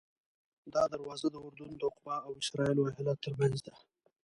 دا دروازه د اردن د عقبه او اسرائیلو ایلات ترمنځ ده.